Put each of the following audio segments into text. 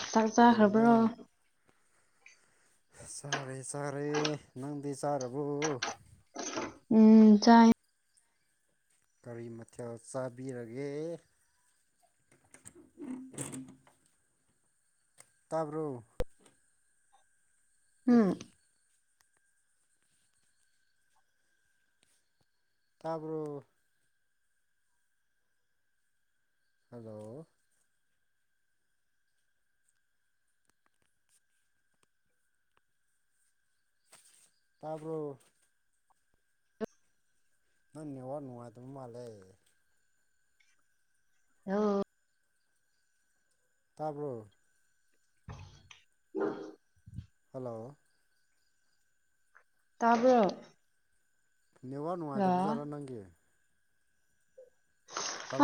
ꯑ ꯇꯥꯛ ꯆꯥ ꯈꯕ꯭ꯔꯣ ꯁꯥꯔꯦ ꯆꯔꯦ ꯅꯪꯗꯤ ꯆꯥꯔꯕꯣ ꯎꯝ ꯆꯥꯏ ꯒꯥꯔꯤ ꯃꯊꯦꯜ ꯆꯥꯕꯤꯔꯒꯦ [inaudible] ꯇꯥꯕ꯭ꯔꯣ ꯑꯦ ꯎꯝ ꯇꯥꯔꯕ꯭ꯔꯣ ꯍꯜꯂꯣ ꯇꯥꯔꯕꯣ ꯅꯪꯅꯦ ꯅꯨꯡꯉꯥꯏꯗ ꯃꯥꯂꯦ ꯍ ꯇꯥꯔꯕ [inaudible] ꯍꯜꯂꯣ ꯇꯥꯕ꯭ꯔꫭ ꯅꯕꯥ ꯅꯅꯨꯡꯉꯥꯏꯗꯕꯨꯖꯔ ꯅꯒꯦ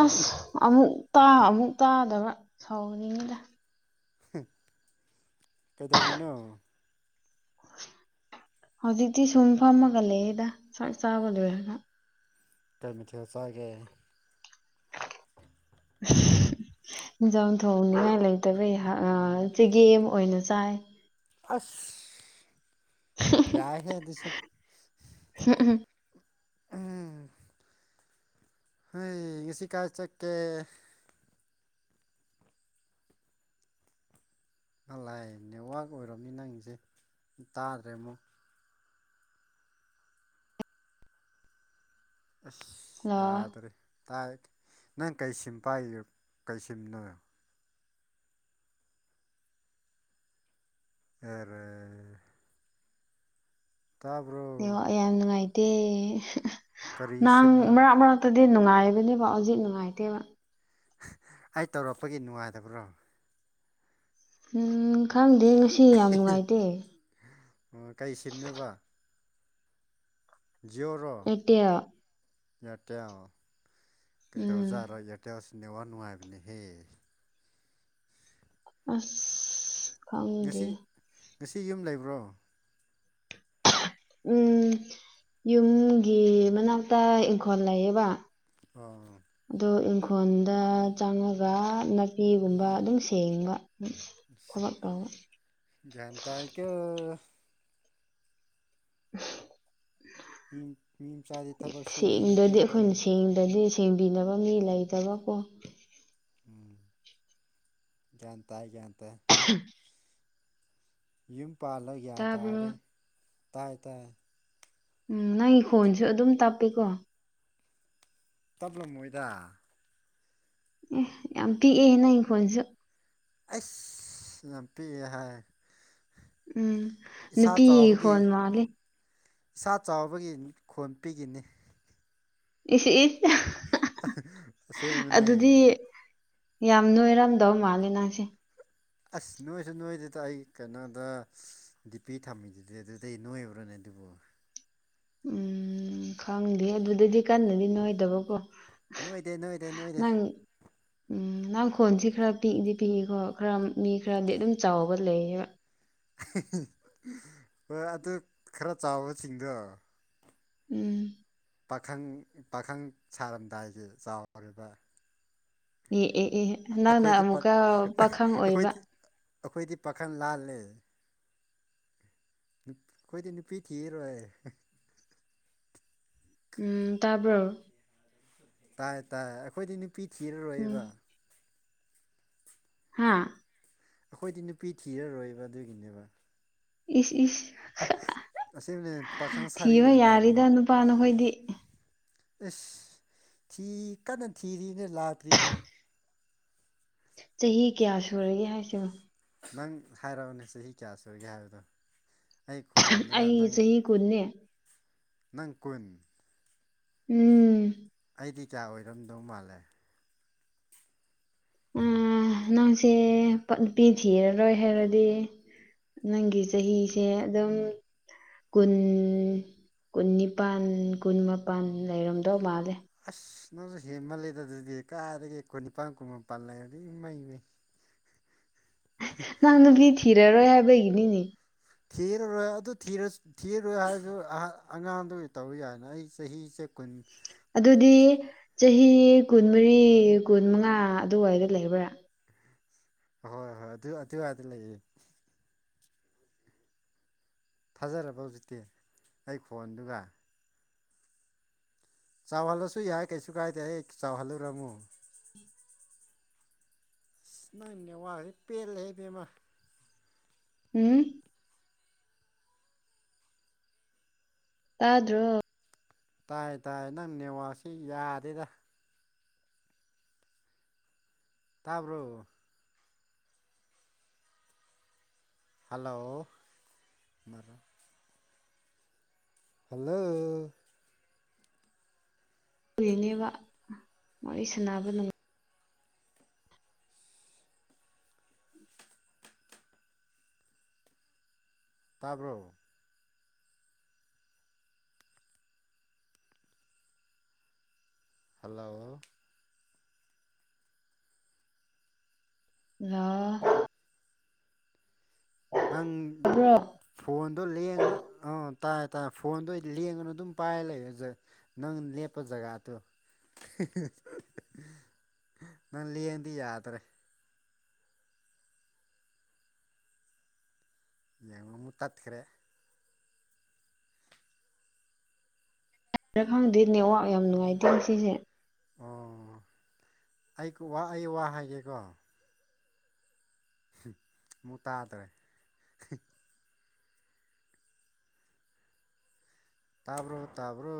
ꯑꯁ ꯑꯃꯨꯛ ꯑꯃꯨꯛ ꯇꯥꯗꯕ ꯁꯥꯎꯅꯤꯡꯉꯤꯗ ꯀꯩꯗꯧꯔꯤꯅꯣ ꯍꯧꯖꯤꯛꯇꯤ ꯁꯨꯝ ꯐꯝꯃꯒ ꯂꯩꯗꯥꯛ ꯆꯥꯕꯗꯣꯏꯔꯅ ꯀꯩꯃꯤꯊꯤ ꯍꯁꯥ [inaudible] ꯌꯦꯟꯖꯥꯡ ꯊꯣꯡꯅꯤꯉꯥꯏ ꯂꯩꯇꯕꯩ ꯆꯦꯒꯦ ꯑꯃ ꯑꯣꯏꯅ ꯆꯥꯏ ꯑꯁ ꯌꯥꯏ ꯍꯦ ꯑꯗꯨꯁꯨ ꯎꯝ ꯎꯝ ꯎꯝ ꯍꯣꯏ ꯁꯤ ꯀꯥ ꯆꯠꯀꯦ ꯂꯥꯏꯑ ꯅꯦꯠꯋꯥꯛ ꯑꯣꯏꯔꯝꯃꯤ ꯅꯪꯁꯦ ꯇꯥꯗ꯭ꯔꯦ ꯑꯃꯨꯛ ꯑꯁ ꯍꯜꯂꯣ ꯌꯥꯗ꯭ꯔꯦ ꯇꯥꯏ ꯅꯪ ꯀꯩꯁꯤꯝ ꯄꯥꯏ ꯀꯩꯁꯤꯅꯣ ꯑꯦꯔ ꯇꯥꯕ ꯑꯦ ꯌꯥꯝ ꯅꯨꯡꯉꯥꯏꯇꯦ ꯀꯔꯤ ꯅꯪ ꯁꯤꯝꯅꯣ ꯃꯔꯛ ꯃꯔꯥꯛꯛꯇꯗꯤ ꯑꯗꯨ ꯅꯨꯡꯉꯥꯏꯕꯅꯦꯕꯣ ꯍꯧꯖꯤꯛ ꯅꯨꯡꯉꯥꯏꯇꯦꯕ ꯑꯩ ꯇꯧꯔꯛꯄꯒꯤ ꯅꯨꯡꯉꯥꯏꯗꯕ꯭ꯔꯣ ꯎꯝ ꯈꯪꯗꯦ ꯉꯁꯤ ꯑꯣ ꯀꯩ ꯁꯤꯅꯣꯕ ꯖꯤꯑꯣꯔꯣ ꯑꯦꯌꯥꯔꯇꯦꯜ ꯏꯌꯥꯔꯇꯦꯜ ꯎꯝ ꯀꯩꯗꯧꯖꯥꯔꯣ ꯏꯌꯥꯔꯇꯦꯜꯁ ꯅꯦꯋꯥ ꯅꯨꯡꯉꯥꯏꯕꯅꯦ ꯑꯁ ꯈꯪꯗꯦ ꯉꯁꯤ ꯉꯁꯤ ꯌꯨꯝ ꯂꯩꯕ꯭ꯔꯣ [inaudible] ꯎꯝ ꯌꯨꯝꯒꯤ ꯃꯅꯥꯛꯇ ꯏꯪꯈꯣꯜ ꯂꯩꯌꯦꯕ ꯑꯣ ꯐꯣꯟꯗ ꯆꯪꯉꯒ ꯅꯥꯄꯤꯒꯨꯝꯕ ꯑꯗꯨꯝ ꯁꯦꯡꯕ ꯊꯃꯥꯛ ꯇꯧꯕ ꯒ꯭ꯌꯥꯟ ꯇꯥꯏꯀꯣ ꯃꯤ ꯃꯤ ꯃꯆꯥꯗꯤ ꯊꯕꯛ ꯁꯨꯅꯤꯡꯉꯤꯀꯣ ꯁꯦꯡꯗꯗꯤ ꯑꯩꯈꯣꯏꯅ ꯆꯦꯡꯗꯗꯤ ꯊꯦꯡꯕꯤꯅꯕ ꯃꯤ ꯂꯩꯇꯕꯀꯣ ꯎꯝ ꯒꯌ꯭ꯥꯟꯇꯥꯏ ꯒꯌ꯭ꯥꯟꯇꯥꯏ [inaudible] ꯌꯨꯝ ꯄꯥꯜꯂꯒꯒꯌꯥꯟ ꯇꯥꯕ꯭ꯔꯣ ꯇꯥꯔꯦ ꯇꯥꯏ ꯇꯥꯏ ꯎꯝ ꯅꯪꯒꯤ ꯈꯣꯟꯁꯨ ꯑꯗꯨꯝ ꯇꯞꯄꯤꯦꯀꯣ ꯇꯞꯂ ꯃꯣꯏꯗ ꯑꯦ ꯌꯥꯝ ꯄꯤꯛꯑꯦꯅ ꯏꯪꯈꯣꯟꯜꯁꯨ ꯑꯁ ꯌꯥꯝꯄꯤ ꯍꯥꯏ ꯎꯝ ꯏꯁꯥ ꯅꯨꯄꯤ ꯆꯥꯎꯕꯒꯤ ꯈꯣꯣꯟ ꯃꯥꯂꯦ ꯏꯁꯥ ꯆꯥꯎꯕꯒꯤ ꯈꯣꯟ ꯄꯤꯈꯤꯅꯤ ꯏꯁꯤ ꯏ ꯁꯃ ꯅ ꯑꯗꯨꯗꯤ [unintelligible] ꯑꯁ ꯅꯣꯏꯁꯨ ꯅꯣꯏꯗꯨꯗ ꯑꯩ ꯀꯩꯅꯣꯗ ꯗꯤ ꯄꯤ ꯊꯝꯃꯤꯗꯨꯗꯤ ꯑꯗꯨꯗꯤ ꯅꯣꯏꯕ꯭ꯔꯣꯅꯦ ꯗꯗꯤꯕ [inaudible] ꯎꯝ ꯈꯪꯗꯦ ꯑꯗꯨꯗꯗꯤ ꯀꯟꯅꯗꯤ ꯅꯣꯏꯗꯕꯀꯣ ꯅꯣꯏꯗꯦ ꯅꯣꯏꯗꯦ ꯅꯣꯏꯗꯦ ꯅꯪ ꯎꯝ ꯈꯣꯟꯁꯤ ꯈꯔ ꯄꯤꯛꯏꯗꯤ ꯄꯤꯛꯏꯀꯣ ꯈꯔ ꯃꯤ ꯈꯔꯗꯤ ꯑꯗꯨꯝ ꯆꯥꯎꯕ ꯂꯩꯌꯦꯕ ꯍꯣꯏ ꯑꯗꯨ ꯈꯔ ꯆꯥꯎꯕꯁꯤꯡꯗꯣ ꯎꯝ ꯄꯥꯈꯪ ꯄꯥꯈꯪ ꯁꯥꯔꯝꯗꯥꯏꯒꯤ ꯆꯥꯎꯔꯤꯕ ꯑꯦ ꯑꯦ ꯏꯍꯦ ꯅꯪꯅ ꯑꯩꯈꯣꯏꯗꯤ ꯄꯥꯛ ꯑꯃꯨꯛꯀ ꯄꯥꯈꯪ ꯑꯣꯏꯕ ꯑꯩꯈꯣꯏꯗꯤ ꯑꯩꯈꯣꯏꯗꯤ ꯄꯥꯈꯟ ꯂꯥꯜꯂꯦ ꯑꯩꯈꯣꯏꯗꯤ ꯅꯨꯄꯤ ꯊꯤꯔꯣꯏ ꯎꯝ ꯇꯕ꯭ꯔꯣ ꯇꯥꯏ ꯇꯥꯏ ꯑꯩꯈꯣꯏꯗꯤ ꯅꯨꯄꯤ ꯊꯤꯔꯣꯏꯕ ꯍꯥꯥ ꯑꯩꯈꯣꯏꯗꯤ ꯅꯨꯄꯤ ꯊꯤꯔꯔꯣꯏꯕ ꯑꯗꯨꯒꯤꯅꯦꯕ ꯏꯁ ꯏꯁ ꯑꯁꯦꯡꯕꯅꯦ ꯄꯥꯈꯪ ꯁꯥꯔꯤ ꯊꯤꯕ ꯑꯣꯏꯅ ꯌꯥꯔꯤꯗ ꯅꯨꯄꯥ ꯅꯈꯣꯏꯗꯤ [unintelligible] ꯏꯁ ꯊꯤ ꯀꯟꯅ ꯊꯤꯔꯤꯅꯦ ꯂꯥꯛꯇ꯭ꯔꯤꯅꯦ ꯆꯍꯤ ꯀꯌꯥ ꯁꯨꯔꯒꯦ ꯍꯥꯏꯁꯤꯕꯣ ꯅꯪ ꯍꯥꯏꯔꯛꯑꯣꯅꯦ ꯆꯍꯤ ꯀꯌꯥ ꯁꯣꯏꯒꯦ ꯍꯥꯏꯕꯗꯣ ꯑꯩ ꯑ ꯈꯣꯟꯗꯒ ꯅꯪ ꯆꯍꯤ ꯈꯨꯅꯦ ꯅꯪ ꯀꯨꯟ ꯎꯝ ꯆꯦꯗꯤꯤ ꯆꯥ ꯑꯣꯏꯔꯝꯗꯧ ꯃꯥꯜꯂꯦ ꯑ ꯅꯪꯁꯦ ꯅꯨꯄꯤ ꯊꯤꯔꯔꯣꯏ ꯍꯥꯏꯔꯗꯤ ꯅꯪꯒꯤ ꯆꯍꯤꯁꯦ ꯑꯗꯨꯝ ꯀꯨꯟ ꯀꯨꯟ ꯅꯤꯄꯥꯜ ꯀꯨꯟ ꯃꯥꯄꯜ ꯂꯩꯔꯝꯗꯧ ꯃꯥꯜꯂꯦ ꯑꯁ ꯅꯪꯁꯨ ꯍꯦ ꯃꯜꯂꯗꯗꯗꯤ ꯀꯥꯔꯒꯦ ꯀꯨꯟꯅꯤꯄꯥꯟ ꯀꯨꯕ ꯄꯥꯜꯂ ꯑꯗꯨꯗꯤ ꯃꯩ ꯃꯩ ꯅꯪ ꯅꯨꯗꯤ ꯊꯤꯔꯔꯣꯏ ꯍꯥꯏꯕꯒꯤꯅꯤꯅꯦ ꯊꯤꯔꯔꯣꯏ ꯑꯗꯨ ꯊꯤꯔꯣꯏ ꯍꯥꯏꯔꯁꯨ ꯑꯉꯥꯡꯗꯨ ꯇꯧ ꯌꯥꯏꯅ ꯑꯩ ꯆꯍꯤ ꯆ ꯀꯟ ꯑꯗꯨꯗꯤ ꯆꯍꯤ ꯀꯨꯟꯃꯔꯤ ꯀꯨꯟꯃꯉꯥ ꯑꯗꯨꯋꯥꯏꯗ ꯂꯩꯕ꯭ꯔꯥ ꯍꯍꯣꯏ ꯍꯣꯏ ꯑꯗꯨ ꯑꯗꯨꯋꯥꯏꯗ ꯂꯩꯌꯦ ꯊꯥꯖꯔꯕ ꯍꯧꯖꯤꯛꯇꯤ ꯑꯩ ꯈꯣꯟꯗꯨꯒ ꯆꯥꯎꯍꯜꯂꯁꯨ ꯌꯥꯏ ꯀꯩꯁꯨ ꯀꯥꯏꯗꯦ ꯑꯩ ꯆꯥꯎꯍꯜꯂꯨꯔꯃꯨ ꯅꯪꯅꯦ ꯋꯥ ꯍ ꯄꯦꯜꯂꯦꯍꯦꯕꯃꯥ ꯎꯝ ꯇꯗ꯭ꯔꯣ ꯇꯥꯏ ꯇꯥꯏ ꯅꯪ ꯅꯦꯋꯥꯁꯤ ꯌꯥꯗꯦꯔ ꯇꯥꯕ꯭ꯔꯣ ꯍꯜꯂꯣ ꯃꯔꯔ ꯍꯜꯂꯣ ꯎꯔꯤꯅꯦꯕ ꯋꯥꯔꯤ ꯁꯥꯟꯅꯕ ꯅꯨꯡꯥꯏ ꯇꯥꯔꯕꯣ ꯍꯜꯂꯣ ꯂ ꯅꯪ ꯇꯥꯕ꯭ꯔꯣ ꯐꯣꯟꯗꯣ ꯂꯌꯦꯉ ꯑꯥ ꯇꯥꯏ ꯇꯥꯏꯦ ꯐꯣꯟꯗꯣ ꯑꯩ ꯂꯦꯡꯉꯅ ꯑꯗꯨꯝ ꯄꯥꯏꯔ ꯂꯩ ꯅꯪ ꯂꯦꯞꯄ ꯖꯒꯥꯗꯣ ꯅꯪ ꯂꯗꯤ ꯌꯥꯗ꯭ꯔꯦ ꯌꯦꯡ ꯃꯨꯇꯥꯥꯊꯀꯔ ꯈ ꯈꯪꯗꯦ ꯅꯦꯠꯋꯥꯛ ꯌꯥꯝ ꯅꯨꯡꯉꯥꯏꯇꯦ ꯉꯁꯤꯁꯦ ꯑꯣ ꯑꯩ ꯑꯩ ꯋꯥ ꯍꯥꯏꯒꯦꯀꯣ ꯃꯨ ꯇꯥꯗꯔꯦ ꯇꯥꯕ꯭ꯔꯣ ꯇꯥꯕ꯭ꯔꯣ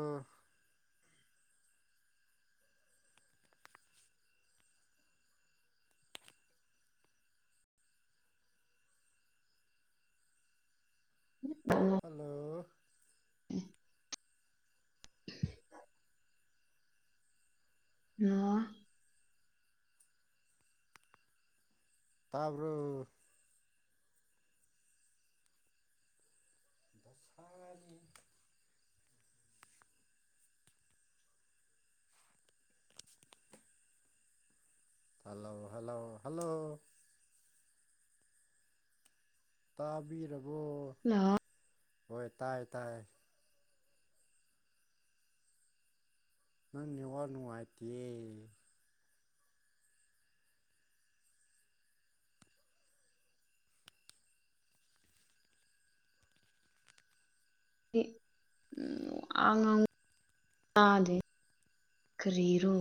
ꯍꯜꯂꯣ ꯑ ꯇꯥꯕ꯭ꯔꯣ ꯁꯔ ꯍꯜꯂꯣ ꯍꯜꯂꯣ ꯍꯜꯂꯣ ꯇꯥꯕꯤꯔ ꯂ ꯍꯣꯏ ꯇꯥꯏ ꯇꯥꯏ ꯅꯪ ꯅꯤꯡ ꯋꯥꯅꯣ ꯑꯇꯌꯦ ꯎꯝ ꯑꯥꯡ ꯆꯥꯗꯤ ꯀꯔꯤꯔꯣ